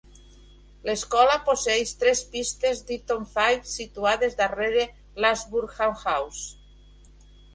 L'escola posseeix tres pistes d'Eton Fives, situades darrere l'Ashburnham House.